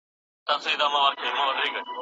نجونې د یو بل لټه کوي.